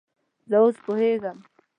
زه اوس پوهیږم